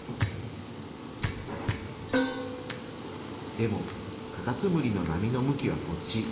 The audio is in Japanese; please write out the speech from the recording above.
でもカタツムリの波の向きはこっち。